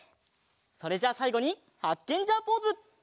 それじゃあさいごにハッケンジャーポーズ！